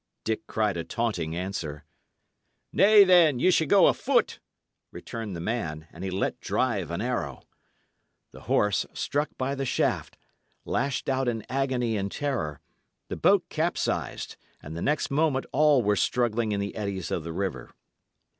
Dick cried a taunting answer. "Nay, then, ye shall go afoot," returned the man; and he let drive an arrow. The horse, struck by the shaft, lashed out in agony and terror; the boat capsized, and the next moment all were struggling in the eddies of the river.